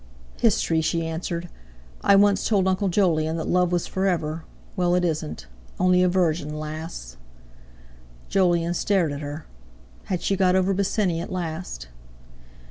"History!" she answered; "I once told Uncle Jolyon that love was for ever. Well, it isn't. Only aversion lasts." Jolyon stared at her. Had she got over Bosinney at last?